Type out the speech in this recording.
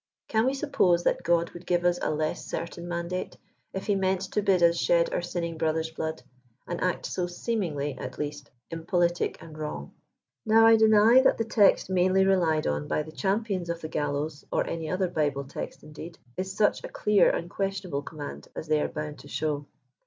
Can we suppose that God would give us a less certain mandate, if he meant to bid us shed our sinning brothers' blood ; an act so seemingly , at least, impolitic and wrong ? Now Ideny that the text mainly relied on by the champions of the gallows, or any other Bible text, indeed, is such a clear unquestionable command as they are bound to show.